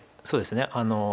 そうですね